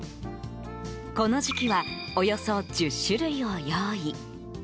この時期はおよそ１０種類を用意。